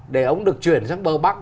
để ông ấy được chuyển sang bờ bắc